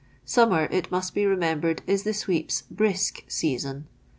Summer, it uiust be remembered, is the sweep's " brisk " season.